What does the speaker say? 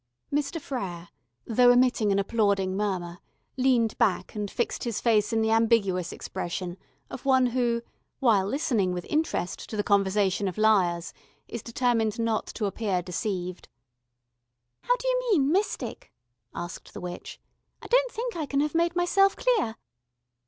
Mr. Frere, though emitting an applauding murmur, leaned back and fixed his face in the ambiguous expression of one who, while listening with interest to the conversation of liars, is determined not to appear deceived. "How d'you mean mystic?" asked the witch. "I don't think I can have made myself clear.